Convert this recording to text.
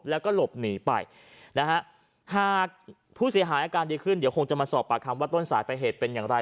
แล้วก็หลบหนีไปนะฮะหากผู้เสียหายอาการดีขึ้นเดี๋ยวคงจะมาสอบปากคำว่าต้นสายไปเหตุเป็นอย่างไร